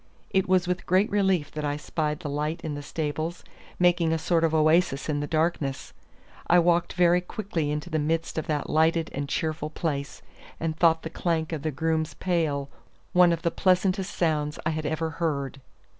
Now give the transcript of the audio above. It was with great relief that I spied the light in the stables, making a sort of oasis in the darkness. I walked very quickly into the midst of that lighted and cheerful place, and thought the clank of the groom's pail one of the pleasantest sounds I had ever heard.